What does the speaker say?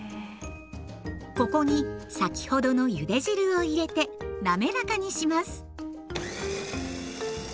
ここに先ほどのゆで汁を入れて滑らかにします。